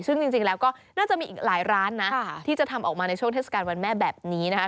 ซึ่งจริงแล้วก็น่าจะมีอีกหลายร้านนะที่จะทำออกมาในช่วงเทศกาลวันแม่แบบนี้นะคะ